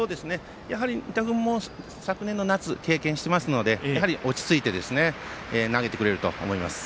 仁田君も昨年の夏を経験していますので落ち着いて投げてくれると思います。